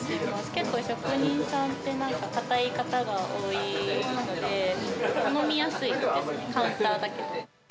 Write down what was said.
結構、職人さんってなんか、堅い方が多いので、頼みやすいです、カウンターだけど。